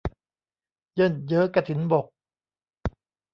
เยิ่นเย้อกฐินบก